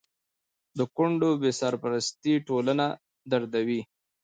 د کونډو بې سرپرستي ټولنه دردوي.